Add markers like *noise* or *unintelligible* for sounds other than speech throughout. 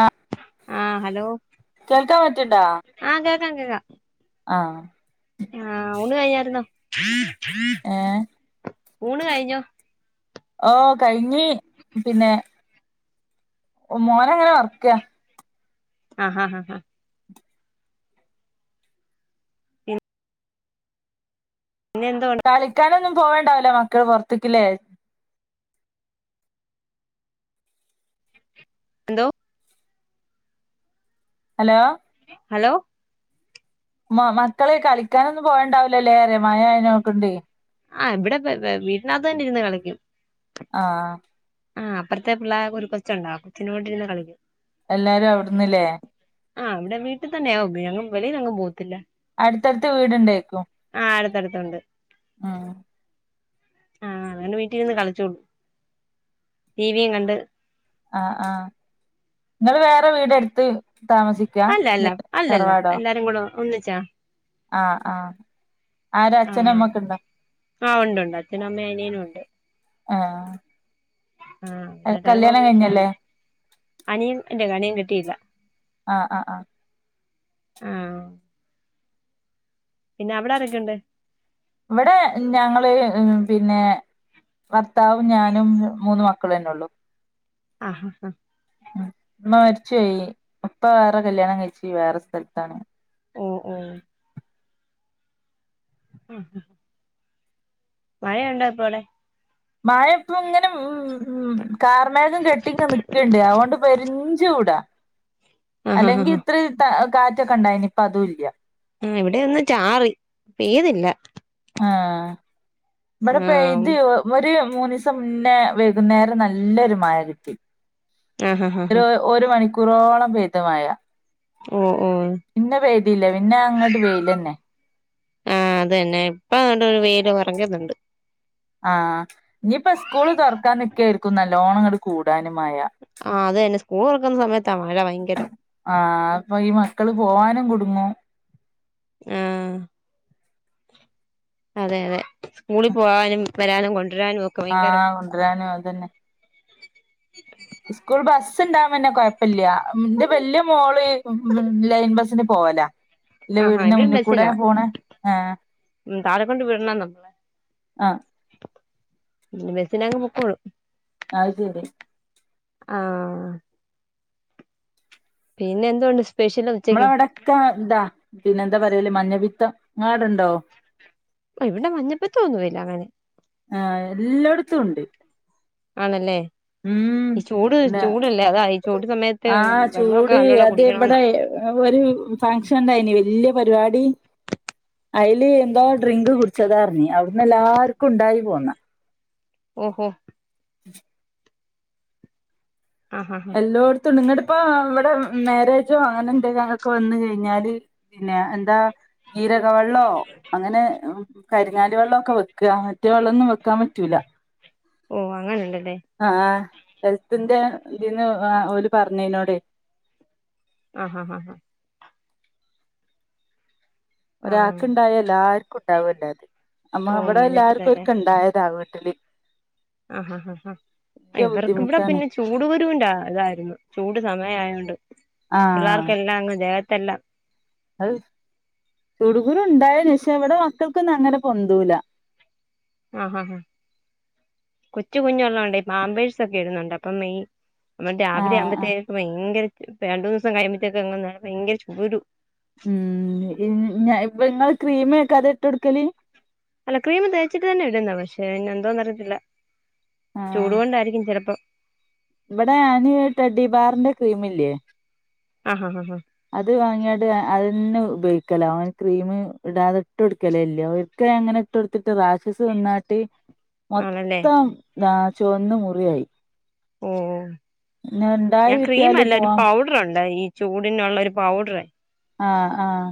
ആഹ് ആഹ് ഹലോ കേൾക്കാൻ പറ്റ്ണ്ടാ? ആഹ് കേക്കാം കേക്കാം. ആഹ് ആഹ് ഊണ് കഴിഞ്ഞായിരുന്നോ? ഏ ഊണ് കഴിഞ്ഞോ? ഓഹ് കഴിഞ്ഞ്. പിന്നെ മോനങ്ങനെ ഒർക്കാ. ആഹ് ആഹ് ആഹ്. പിന്നെ എന്താ *unintelligible* കളിക്കാനൊന്നും പോവണ്ടാവില്ല മക്കള് പൊറത്ത്ക്കില്ലേ? എന്തോ? ഹലോ. ഹലോ. മ മക്കളെ കളിക്കാനൊന്നും പോവേണ്ടാവില്ലാല്ലേ പറയാ മഴ അയേനെകൊണ്ടെ? ആഹ് ഇവിടെ വെ വീട്ടിനകത്ത് തന്നെ ഇരുന്ന് കളിക്കും. ആഹ് ആഹ് അപ്പറത്തെ പിള്ളരെ ഒരു കൊച്ചൊണ്ട് ആ കൊച്ചിന്റെ കൂടെ ഇരുന്നു കളിക്കും. എല്ലാരും അവിടന്നല്ലേ? ആഹ് ഇവിടെ വീട്ടി തന്നെയാ വെളിലെങ്ങും പോകത്തില്ല. അടുത്തടുത്ത് വീടുണ്ടേയിക്കും ആഹ് അടുത്തടുത്തുണ്ട് ഉം. ആഹ് അത കൊണ്ട് വീട്ടി ഇരുന്ന് കളിച്ചോളും ടി വി യും കണ്ട്. ആഹ് ആഹ് ഇങ്ങള് വേറെ വീട് എടുത്ത് താമസിക്കാ അല്ല അല്ല അല്ലേ അല്ലല്ല തറവാടോ? എല്ലാരും കൂടെ ഒന്നിച്ചാ. ആഹ് ആഹ് ആരാ അച്ഛനും ആഹ് അമ്മക്കെ ഇണ്ടോ? ആഹ് ഒണ്ട് ഒണ്ട് അച്ഛനും അമ്മേം അനിയനും ഒണ്ട്. പിന്നെ ആഹ് എല്ലാരും കൂടെ കല്ല്യാണം ഒന്നിച്ചാ കഴിഞ്ഞല്ലേ? അനിയൻ ഇൻ്റെ അനിയൻ കെട്ടിയില്ല. ആഹ് ആഹ് ആഹ് ആഹ് പിന്നെ അവിടെ ആരൊക്കെണ്ട്? ഇവിടെ ഞങ്ങള് ഏഹ് പിന്നെ ഭർത്താവും ഞാനും മൂന്ന് മക്കളും എന്നെ ഉള്ളൂ ആഹ് ആഹ് ആഹ് ഉമ്മ മരിച്ചോയി ഉപ്പ വേറെ കല്യാണം കഴിച്ച് വേറെ സ്ഥലത്താണ്. ഉം ഉം ഉം ഉം മഴ ഒണ്ടോ ഇപ്പവടെ? മഴ ഇപ്പം ഇങ്ങനെ ഉം ഉം കാർമേഘം കെട്ടിങ്ങനെ നിക്ക്ണ്ട് അതുകൊണ്ട് പെരും ചൂടാ. ആഹ് ആഹ് അല്ലെങ്കി ആഹ് ഇത്ര ട കാറ്റൊക്കെ ഇണ്ടായിനി ഇപ്പോ അതും ഇല്ലാ ഉം ഇവിടെയൊന്ന് ചാറി പെയ്തില്ല. ആഹ് ഇബടെ ആഹ് പെയ്ത് ഒരു മൂന്ന് ദിവസം മുന്നേ വൈകുന്നേരം നല്ലൊരു മഴ കിട്ടി. ആഹ് ആഹ് ആഹ്. ഒരു ഒരു മണിക്കൂറോളം പെയ്ത് മഴ. ഉം ഉം പിന്നെ പെയ്തില്ല പിന്നെ അങ്ങട്ട് വെയിലെന്നെ ആഹ് അത് തന്നെ ഇപ്പ അതുകൊണ്ട് ഒരു വെയില് *unintelligible* ഒണ്ട് ആഹ് ഇനിയിപ്പോ സ്കൂള് തൊറക്കാന് നിക്കായിരിക്കും നല്ലോണം ഇങ്ങട് കൂടാന് മഴ ആഹ് അത് തന്നെ സ്കൂൾ തൊറക്കുന്ന സമയത്താ മഴ ഭയങ്കരം ആഹ് അപ്പൊ ഈ മക്കള് പോവാനും കുടുങ്ങു ഉം അതെ അതെ സ്കൂളി പോവാനും വരാനും കൊണ്ടുവരാനും ഒക്ക് ആഹ് കൊണ്ടരാനും അതന്നെ സ്കൂൾ ബസ്സ് ഇണ്ടാകുമ്പോ പിന്നെ കൊഴപ്പല്ല ഉം ഇന്റെ വല്യ മോള് ഉം ഉം ലൈൻ ബസ്സിന് പോവലാ ഉ ഇല്ല ആഹ് ആഹ് വീടിന്റെ ഇവിടെ മുന്നിൽ കൂടെ ബസ്സിനാ പോണേ ആഹ് ഉം താഴെക്കൊണ്ടുപോയി വിടണം നമ്മള് ആഹ് ബസ്സിന് അങ്ങ് പൊക്കോളും അത് ശരി ആഹ് പിന്നെ എന്തോണ്ട് സ്പെഷ്യല് നമ്മളവടക്കെതാ പിന്നെന്താ പറയല് മഞ്ഞപിത്തം ങ്ങലവിടെണ്ടോ ഇവിടെ മഞ്ഞപ്പത്ത ഒന്നുമില്ല അങ്ങനെ ആഹ് എല്ലട്ത്തുണ്ട് ആണ്ല്ലേ ഈ ചൂട് ല്ല ചൂടല്ലേ അതാ ഈ ചൂട് സമയത്ത് ആഹ് വെള്ളമൊക്കെ ചൂട് നല്ലോണം അത് കുടിക്കണന്നാ ഇവിടെ ഒരു ഫങ്ഷൻ ഉണ്ടായിന് വല്ല്യ പരിപാടി അയ്ല് എന്തോ ഡ്രിങ്ക് കുടിച്ചതാർഞ്ഞ് അവ്ട്ന്നെല്ലാര്ക്കും ഉണ്ടായ്പോന്നാ ഓഹോ ഉ ആഹ് ഹാ എല്ലോട്ത്തുണ്ട് ങ്ങട്പ്പോ വടെ മാരേജോ അങ്ങനെ എന്തെങ്കിലൊക്കെ വന്ന് കഴിഞ്ഞാല് പിന്നെ എന്താ ജീരകവെള്ളോ അങ്ങനെ കരിങ്ങാലി വെള്ളൊക്കെ വെക്കാ മറ്റേ വെള്ളൊന്നും വെക്കാൻ പറ്റൂല്ല ഓഹ് അങ്ങനെണ്ടല്ലേ ആഹ് ആഹ് ഹെൽത്തിന്റെ ഇതിന്റെ അവര് പറഞ്ഞിരുന്നു ആഹ് ഹാ ഹാ ആഹ് ഒരാക്ക് ണ്ടായാ എല്ലാവർക്കും ഉണ്ടാവൊല്ലോ അത് അമ്മ ഓ അവിടെ എല്ലാർക്കും മഞ്ഞപ്പിത്തല്ലേ ഒര്ക്കെണ്ടായതാ വീട്ടില് ആഹ് ഹാ ഹാ ഹാ വല്യ ഇവർക്ക് ബുദ്ധിമുട്ടാണ് പിന്നെ ചൂ ചൂട് കുരുവിന്റെ ഇതായിരുന്നു ചൂട് സമയയതൊണ്ട് ആഹ് പിള്ളേർക്കെല്ലാം അങ്ങ് ദേഹത്തെല്ലാം അഹ് ചുടുകുരു ഉണ്ടായെന് പക്ഷേ അവിടെ മക്കൾക്കൊന്നും അങ്ങനെ പൊന്തൂലാ ആഹ് ഹാ ഹാ കൊച്ചു കുഞ്ഞ് ഉള്ളോണ്ടേ പാമ്പേഴ്സ് ഒക്കെ ഇടുന്നുണ്ട് അപ്പൊ മെയ് ന്നിട്ട് രാവിലെ ആഹ് ആഹ് ആകുമ്പത്തേക്കും ഭയങ്കര രണ്ട് മൂന്ന് ദിവസം കഴിയുമ്പത്തേക്കെ ഭയങ്കര ചൂരു ഉം നിങ്ങള് ക്രീമേക്കാതെ ഇട്ടൊടുക്കല് അല്ല ക്രീമ് തേച്ചിട്ട് തന്നെ ഇടുന്ന പക്ഷേ എന്തോ അറിഞ്ഞിട്ടില്ല ചൂട് കൊണ്ടായിരിക്കും ചെലപ്പോ ഇവടെ ഞാന് ടെട്ടിബാറിന്റെ ക്രീമില്ലേ ആഹ് ഹാ ഹാ ഹാ അത് വാങ്ങിയാണ്ട് അതന്നെ ഉപയോഗിക്കലാ അവൻ ക്രീം ഇടാത ഇട്ടും എടുക്കലേ ഇല്ല ഒക്കെ അങ്ങനെ ഇട്ട് കൊടുത്തിട്ട് റാഷസ്ന്നാട്ടി ആണല്ലേ മൊത്തം ആഹ് ചുവന്ന മുറിയായി ഓഹ് പിന്നെ എ ഇണ്ടായി ഞാൻ കിട്ടിയാല് ക്രീമല്ലാ ഒരു പോവാം പൗ ഡറുണ്ട് ഈ ചൂടിനള്ള ഒരു പൗഡറ് ആഹ് ആഹ്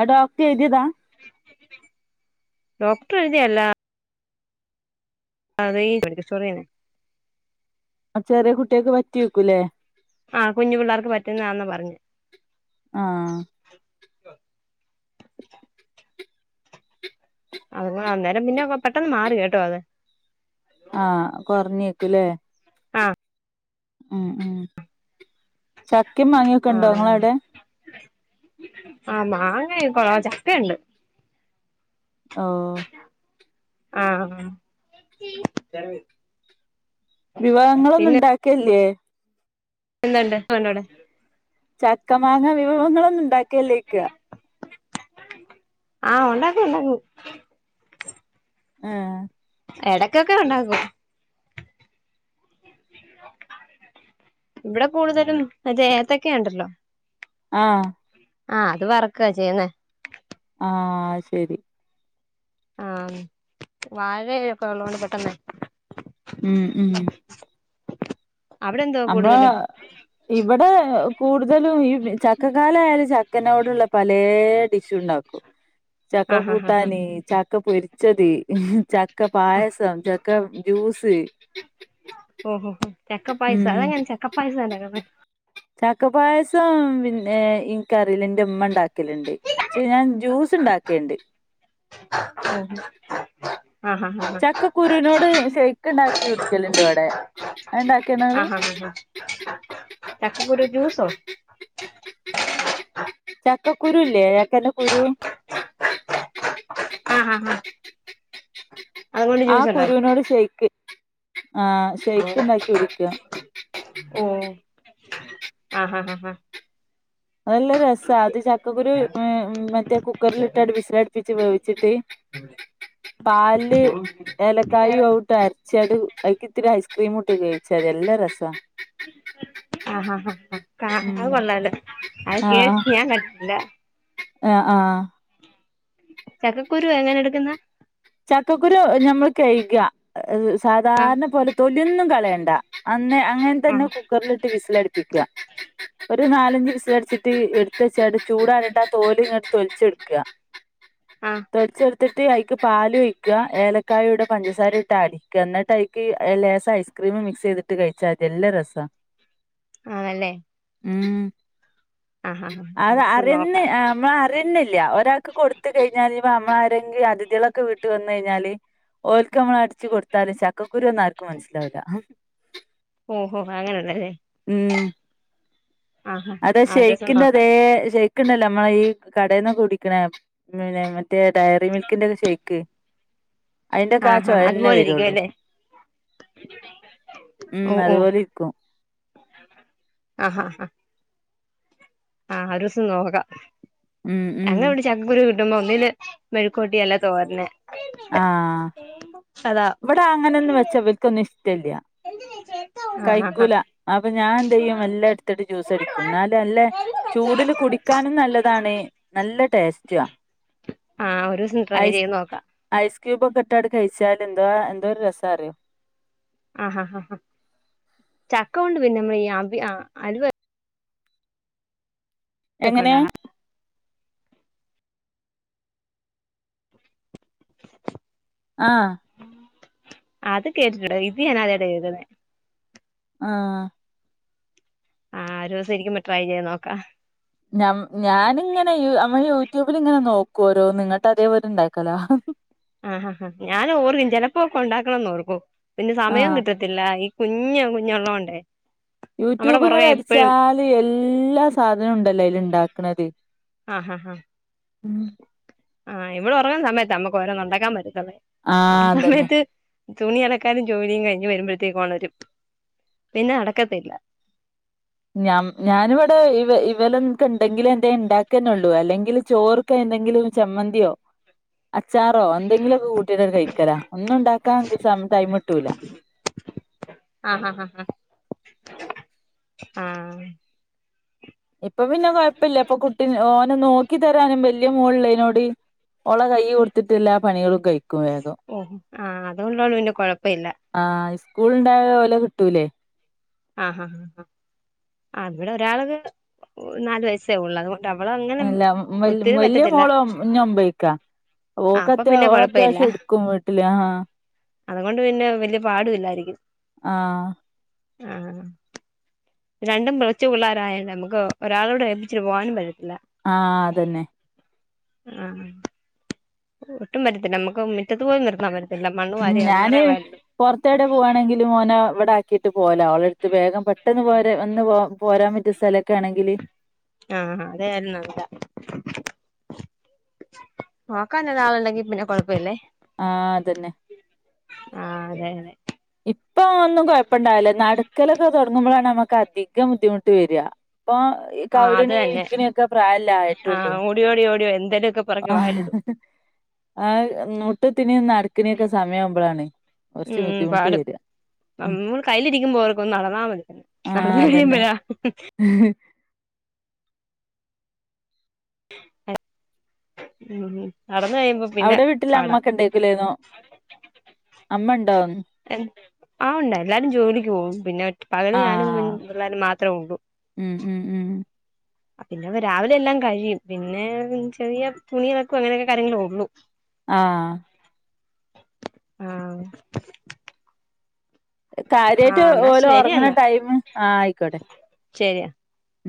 അത്‌ ഡോക്ടർ എഴുതിയതാ ഡോക്ടർ എഴുതിയല്ലാ *unintelligible* ആഹ് ചെറിയ കുട്ട്യാക്ക് പറ്റി വെക്കൂല്ലേ ആഹ് കുഞ്ഞു പിള്ളാർക്ക് പറ്റുന്നതാന്നാ പറഞ്ഞത് ആഹ് അത് അന്നേരം പിന്നെ പെട്ടെന്ന് മാറി കെട്ടോ അത് ആഹ് കൊറഞ്ഞേക്കുല്ലേ ആ ഉം ഉം ചക്കിം മാങ്ങിയൊക്കെ ഉണ്ടോ നിങ്ങളവിടെ ആഹ് മാങ്ങയ് കൊറ ചക്കയുണ്ട് ഓഹ് ആഹ് വിഭവങ്ങളൊന്നും ഉണ്ടാക്കിയല്ലേ എന്തൊണ്ട് *unintelligible* ചക്കമാങ്ങ വിഭവങ്ങളൊന്നും ഉണ്ടാക്കലില്ലേ ചോയ്ക്കാ ആഹ് ഉണ്ടാക്കും ഉണ്ടാക്കും ആഹ് എടയ്ക്കൊക്കെ ഉണ്ടാക്കും ഇവിടെ കൂടുതലും മറ്റെ ഏ ത്തക്കഉണ്ടല്ലോ ആ ആ അത് വറക്കുക ചെയ്യുന്നേ ആഹ ശരി ആഹ് വാഴൊക്കെ ഉള്ളതുകൊണ്ട് പെട്ടെന്നെ ഉം ഉം അവിടെ എന്തുവാ അമ്മള് കൂടുതലും ഇവിടെ കൂടുതലും ഈ ചക്കകാല ആയാല് ചക്കനോടുള്ള പലേ ഡി ണ്ടാക്കും ചക്ക ആ ആ ആ ആ കൂട്ടാന ചക്ക പൊരിച്ചത് ചക്ക പായസം ചക്ക ജ്യൂസ് ഓഹോഹോ ചക്ക പായസ അതങ്ങനെ ചക്ക പായസ ണ്ടാക്കുന്നെ ചക്കപായസം പിന്നെ ഇൻകറീല ന്റെ മ്മ ണ്ടാക്കലുണ്ട് ഞാൻ ജ്യൂസ് ഉണ്ടാക്കൽണ്ട്ണ്ട് *unintelligible* ആ ഹ ആാ ചക്ക കുുരുവിനോട് ചെയ്ക്ക്ക് ണ്ടാക്കി കുടിക്കല ണ്ട് ഇവിടെ അത്ണ്ടാക്കി ണാ ങ്ങൾ ആഹ് ആഹ് ചക്കക്കുരു ജ്യൂസൊ ചക്ക കുരുല്ലേ ചക്ക കുരു ആ ആ ഹ ആ ഉണ്ടാക്കുവോ കുരുവിനോട് ശയ്ക്ക് ആ ശയ്ക്ക് ണ്ടാക്കി കുടിക്ക ഓ ആഹഹാ ആഹ ഹാ അതല്ല രസം അത് ജ ചക്കക്കാരു മറ്റേ കുക്കറിലിട്ട വിസ്‌ലടിപ്പിച്ച് വവിച്ചിട്ട് പല് ഏലക്കായും ഔട്ട ആ ചേട് അൈക്ക് ഇത്തിരി ഐസ്ക്രീം ഇട്ട് കഴിച്ചാതിത ന്നല്ലാ രസ ആ അത് ഉം കൊള്ളാലോ *unintelligible* ചെയ്യാൻ പറ്റില്ല ആ ആ ചക്കക്കുരുവ എങ്ങനെ എടുക്കുന്ന ചക്കക്കുരു നഞമ്മൾ കഴുക ആഹ് സാധാരണ പോലെ തൊലി ഒന്നും കളയണ്ട അന്നേ അങ്ങനെ തന്നെ ആഹ് കുക്കറിലിട്ട് വിസിലടിപ്പിക്കുക ഒരു നാലഞ്ചു വിസിലടിച്ചിട്ട് എടുത്ത് വച്ചായിട്ട് ചൂടാറിട്ട് ആ തോല് ഇങ്ങോട്ട് തൊലിച്ചെടുക്കുക ആ തൊയ്ച്ചെടുത്തിട്ട് അയ്ക്ക് പാല് ഒയ്ക്കുക ഏലക്കായും ട പഞ്ചസാര ഇട്ട് ആഡ് ക്കന്നട്ടയിക്ക് ലേസം ഐസ്ക്രീമ് മിക്സെയ്തിട്ട് കഴിച്ചാതി യല്ല രസാ ആണല്ലേ ഉം ആഹ് ആഹ് ആഹ് ഒരൂസം നോക്കാം രന്നില്ല്യ ഒരാക്ക് കൊടുത്ത് കെയിഞ്ഞാല് ഇപ്പ അമ്മ ആരെങ്കി അതിഥികളൊക്കെ വീട്ട് വന്നെയിഞ്ഞാല് ഓൽക്ക് നമ്മളടിച്ചു കൊടുത്താല് ചക്കക്കുരുവാന്ന് ആർക്കും മനസ്സിലാവുല്ല ഓഹോഹ് അങ്ങനെണല്ലേ അതെ ഷെയിക്കിന്റതേ ഷെയ്ക്ക്ണ്ടല്ലോ നമ്മള ഈ കടേ ന്ന് കുടിക്കണേ പിന്നെ മ റ്റേ ഡയറീ മിൽക്കിന്റെക്ക ഷേയിക്ക് അതിന്റെക്കാ ആഹ് ആഹ് ച്ചോവന്നെ അതുപോലെ വരുള്ളു ഇരിക്കുവല്ലേ ഉം ഓഹ് ഓഹ് അതുപോലിര്ക്കും ആഹ് ആഹ് ആഹ് ആഹ് ഒരൂസം നോക്കാം ഉം ഉം ഞങ്ങ വ്ടെ ചക്കക്കുരു കിട്ടുമ്പോ ഒന്നില്ലേ മെഴ്ക്കോര്ട്ടി യല്ലേ തോരൻ ആഹ് ഇവടങ്ങനൊന്നും വെച്ച വൽ ക്കൊന്നുംഷ്ടല്ല്യ ആഹ് ആഹ് കയ്ക്കൂല അപ്പൊ ഞാൻ എന്തെയ്യും എല്ലാ എടുത്തിട്ട് ജ്യൂസടിക്കും എന്നാല അല്ലേ ചൂടില് കുടിക്കാനും നല്ലതാണ് നല്ല ടേസ്റ്റുവാ ആഹ് ഒരൂസം ട്രൈ ചെയ്ത് നോക്കാ. ഐസ്ക്യൂബൊക്കെട്ടട് കഴിച്ചാല് എന്തോ, എന്തോരു രസാറിയോ ആഹ് ഹ ഹ ഹ. ചക്കകൊണ്ട് പിന്നെ നമ്മളീ അവി ആഹ് അല്‌വേ ഒക്കെ എങ്ങനേ? ഉണ്ടാക്കാം ആഹ് അത് കേട്ട്ട്ട് ണ്ട്, ‌ ഇത് ഞാൻ ആദ്യായിട്ട കേക്ക്ന്നെ. ആഹ് ആഹ് ഒരൂസിരിക്കുമ്പ ട്രൈ ചെയ്ത് നോക്കാ. ഞ്ഞം ഞാന്ങ്ങനെ ഈ അമ്മള് യൂട്യൂബ് ല്ങ്ങനെ നോക്കു ഒരോന്ന്, ങ്ങട്ടതേപോലെ ഇണ്ടാക്കലാ. ആഹ് ആഹ് ആഹ് ഞാനും ഓർ ചെലപ്പോക്കെണ്ടാക്കണംന്നോർക്കും. പിന്നെ സമയം ആഹ് കിട്ട ത്തില്ലാ, ഈ കുഞ്ഞ് കുഞ്ഞുള്ളോണ്ടേ നമ്മുടെ പുറകെ എപ്പഴും യൂട്യൂബ്ങ്ങനടിച്ചാല് എല്ലാ സാധനോണ്ടല്ലോ അയ്ല്ണ്ടാക്ക്ണത്. ആഹ് ആഹ് ആഹ് ഉം ആഹ് ഇവളൊറങ്ങ്ന്ന സമയത്താ നമ്മുക്ക് ഓരോന്നുണ്ടാക്കാൻ പറ്റത്തൊള്ളെ, ആ ആഹ് അതന്നെ സമയത്ത് തുണി അലക്കാനും ജോലിയും കഴിഞ്ഞ് വരുമ്പഴത്തേക്ക് ഒണരും. പിന്നെ അടക്കത്തില്ല. ഞ്ഞം ഞാന് വടെ ഇവ ഇവല ൻക്കെണ്ടെങ്കിലെന്തേം ഇണ്ടാക്കെന്നൊള്ളൂ. അല്ലെങ്കില് ചോറ് ക്കെ എന്തെങ്കിലും ചമ്മന്തിയോ അച്ചാറോ എന്തെങ്കിലൊക്കെ കൂട്ടീട്ടണ് കഴിക്കലാ. ഒന്നും ഇണ്ടാക്കാൻ ടൈമ്ട്ടൂല. ആഹ ഹാ ഹ, ആഹ് ഇപ്പൊ പിന്നെ കൊയ്പ്പല്ല, ഇപ്പൊ കുട്ടിനെ ഓനെ നോക്കി തരാനും വല്യ മോള് ഇള്ളയ്നോട് ഓളെ കൈയ് കൊട്ത്ത്ട്ടെല്ലാ പണികളും കയ് ഓഹ് ആഹ് അതുള്ളോണ്ട് പിന്നെ കൊഴപ്പ ഇല്ല. ആഹ് ഇസ്കൂള്ണ്ടായാ ഓലെ കിട്ടൂലേയ് ആഹ് ആഹ് ഇവിടെ ഒരാള്ത് നാല് വയസ്സേ ഉള്ളു അത്കൊ അല്ല വല്യ വല്ല്യ മോളും ഇഞ്ഞൊമ്പീക്കാ. ആഹ് അപ്പൊ ഓക്കത്യ പിന്നെ കൊഴപ്പമില്ല ഓളത്യാവശ്യം ഇട്ക്കും വീട്ടില് അഹാഹ് അതുകൊണ്ട് പിന്നെ വല്യ പാടു ഇല്ലായിരിക്കും. ആഹ് ആഹ് രണ്ടും *unintelligible* പിള്ളാരായോണ്ട് നമുക്ക്, ഒരാളോടേപ്പിച്ചിട്ട് പോകാനും പറ്റത്തില്ല. ആഹ് അതന്നെ. ആഹ് ഒട്ടും പറ്റത്തില്ല, നമുക്ക് മിറ്റത്ത് പോലും നിർത്താൻ പറ്റ ഉം ഞാന് പൊർത്തെവ്ടെ പോവാണെങ്കിലും ഓനെ ഇവടാക്കീട്ട് പോവലാ, ഓളെട്ത്ത്. വേഗം പെട്ടെന്ന് പോ വന്ന് പോ പോരാൻ പറ്റിയ സ്ഥല ക്കാണെങ്കില് ആഹാ അതായിരുന്നു നല്ല നോക്കാനൊരാള്ണ്ടെങ്കി പിന്നെ കൊഴപ്പ ഇല്ലേ. ആഹ് അതെന്നെ. ആഹ് അതെ അതെ ഇപ്പോ ഒന്നും കൊഴപ്പണ്ടാവില്ല, നടക്കലൊക്കെ തൊട്ങ്ങുമ്പളാണ് നമുക്ക് അധികം ബുദ്ധിമുട്ട് വര. ഇപ്പൊ ആഹ് അത് കൗല്ണിം ഇര്ക്കിണ്യൊക്കെ പ്രായല്ലെ ആയിട്ടുള്ളൂ. *unintelligible* എന്തേലൊക്കെ ആഹ ഹ അത് മുട്ട്ത്തിണിം നടക്ക്ണ്യൊക്കെ സമയാവുമ്പളാണ് കൊർച്ച് ബുദ്ധിമുട്ട് വര. നമ്മള് കയ്യിലിരിക്കുമ്പൊ ഓർക്കും നടന്നാ മതി, ആ നടന്നു അതന്നെ കഴിയുമ്പഴാ *unintelligible* *unintelligible* ഉം നടന്ന് കഴിയുമ്പം അവിടെ വീട്ടില് അമ്മക്കെണ്ടെയ്ക്കുലേ നോ അമ്മണ്ടോ? *unintelligible* ആഹ് ഉണ്ട്. എല്ലാരും ജോലിക്ക് പോവും. പിന്നെ പകല് ആ ഞാനും പിള്ളാരും മാത്രേ ഒള്ളൂ. ഉം ഉം ഉം. പിന്നെ രാവിലെ എല്ലാം കഴിയും പിന്നെ ചെറിയ തുണി ഇളക്കും അങ്ങനെയക്കെ കാര്യങ്ങള ഉള്ളു. ആഹ്. ആഹ്. കാര്യായിട്ട് ആഹ് എന്നാ ഓലും ശരി ഒറങ്ങണ ടൈമ് ആഹ് ആയിക്കോട്ടെ. ശരിയാ. ഉം